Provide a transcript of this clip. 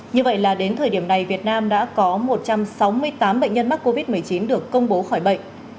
như vậy là đến thời điểm này việt nam đã có một trăm sáu mươi tám bệnh nhân mắc covid một mươi chín được công bố khỏi bệnh